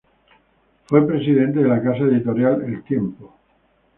Fue presidente de la Casa Editorial El Tiempo.